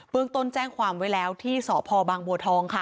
เรื่องต้นแจ้งความไว้แล้วที่สพบางบัวทองค่ะ